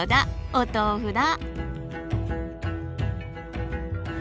お豆腐だ。